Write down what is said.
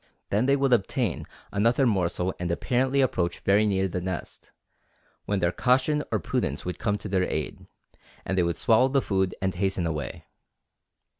Then they would obtain another morsel and apparently approach very near the nest, when their caution or prudence would come to their aid, and they would swallow the food and hasten away.